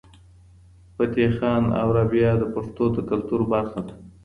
فتح خان او رابعه د پښتنو د کلتور برخه ده.